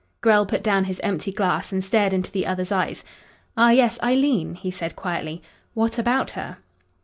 Grell put down his empty glass and stared into the other's eyes. "Ah yes, Eileen," he said quietly. "What about her?"